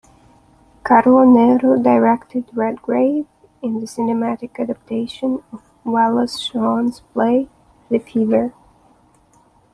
Carlo Nero directed Redgrave in the cinematic adaptation of Wallace Shawn's play "The Fever".